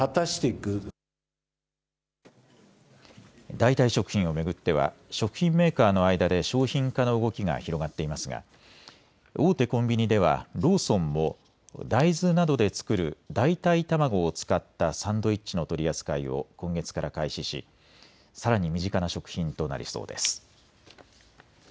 代替食品を巡っては食品メーカーの間で商品化の動きが広がっていますが大手コンビニではローソンも大豆などで作る代替卵を使ったサンドイッチの取り扱いを今月から開始しさらに身近な食品となりそうです。